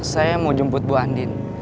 saya mau jemput bu andin